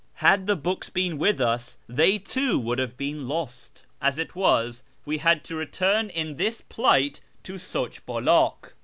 Had the books been with us, they too would have been lost. As it was, we liad to return in this plight to Souch Bulak.